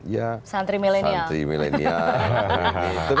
ya santri milenial